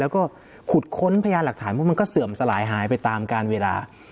แล้วก็ขุดค้นพยานหลักฐานพวกมันก็เสื่อมสลายหายไปตามการเวลา